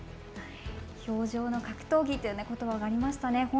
氷上の格闘技ということばがありましたね。